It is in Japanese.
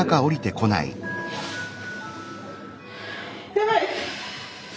やばい！